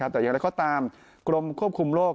แต่อย่างไรก็ตามกรมควบคุมโรค